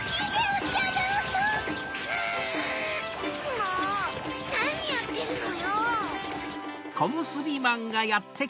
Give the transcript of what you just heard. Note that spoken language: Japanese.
もうなにやってるのよ！